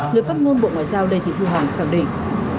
người phát ngôn bộ ngoại giao đề thị thu hồng khẳng định